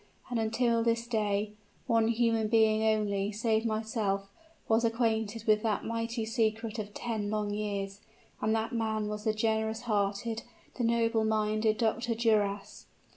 And, until this day, one human being only, save myself, was acquainted with that mighty secret of ten long years, and that man was the generous hearted, the noble minded Dr. Duras.